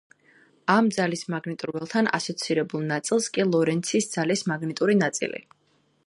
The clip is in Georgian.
ამ ძალის მაგნიტურ ველთან ასოცირებულ ნაწილს კი ლორენცის ძალის მაგნიტური ნაწილი.